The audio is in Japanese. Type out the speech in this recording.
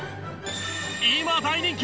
今大人気！